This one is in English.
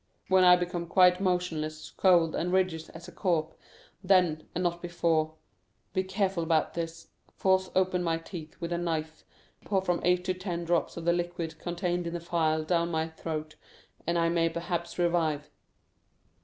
When I become quite motionless, cold, and rigid as a corpse, then, and not before,—be careful about this,—force open my teeth with the knife, pour from eight to ten drops of the liquor contained in the phial down my throat, and I may perhaps revive."